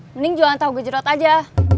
mending jualan tahu gejerot aja